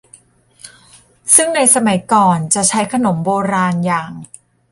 ซึ่งในสมัยก่อนจะใช้ขนมโบราณอย่าง